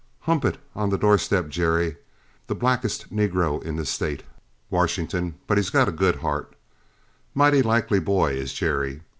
Hump it on the door step, Jerry the blackest niggro in the State, Washington, but got a good heart mighty likely boy, is Jerry.